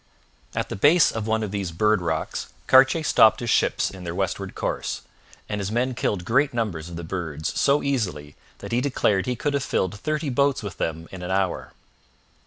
At the base of one of these Bird Rocks Cartier stopped his ships in their westward course, and his men killed great numbers of the birds so easily that he declared he could have filled thirty boats with them in an hour.